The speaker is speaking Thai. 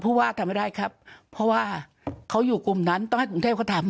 ผู้ว่าทำไม่ได้ครับเพราะว่าเขาอยู่กลุ่มนั้นต้องให้กรุงเทพเขาทำ